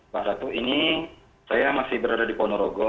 pak ratu ini saya masih berada di ponorogo